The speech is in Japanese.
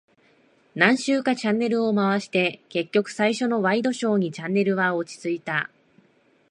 何周かチャンネルを回して、結局最初のワイドショーにチャンネルは落ち着いた。